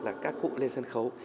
là các cụ lên sân khấu